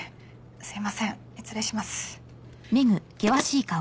すいません失礼します。